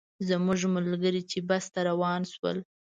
زموږ ملګري چې بس ته روان شول.